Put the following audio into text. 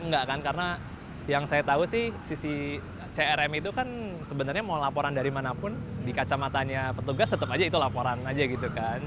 enggak kan karena yang saya tahu sih sisi crm itu kan sebenarnya mau laporan dari manapun di kacamatanya petugas tetap aja itu laporan aja gitu kan